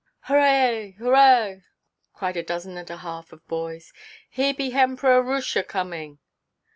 "Hooraw—hooraw!" cried a dozen and a half of boys, "here be Hempror o' Roosia coming."